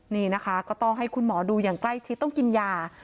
นี่นะคะก็ต้องให้คุณหมอดูอย่างใกล้ชิดต้องกินยา